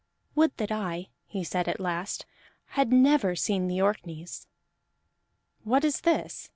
"Would that I," he said at last, "had never seen the Orkneys!" "What is this?"